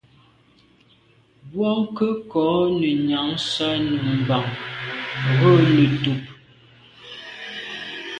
Bwɔ́ŋkə́ʼ kɔ̌ nə̀ nyǎŋsá nú mbàŋ rə̌ nə̀tùp.